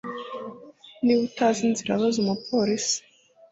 Niba utazi inzira baza umupolisi